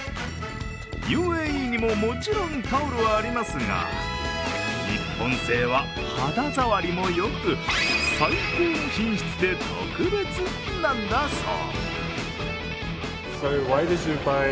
ＵＡＥにも、もちろんタオルはありますが、日本製は肌触りがよく、最高の品質で特別なんだそう。